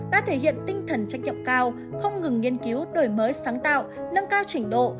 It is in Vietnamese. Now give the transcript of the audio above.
đã thể hiện tinh thần trách nhiệm cao không ngừng nghiên cứu đổi mới sáng tạo nâng cao trình độ